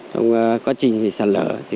trong quá trình sạt lở